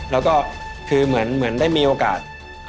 แล้วก็คือเหมือนได้มีโอกาส